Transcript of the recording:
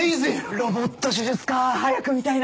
ロボット手術か早く見たいな。